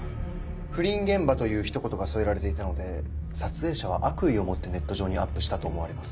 「不倫現場」というひと言が添えられていたので撮影者は悪意を持ってネット上にアップしたと思われます。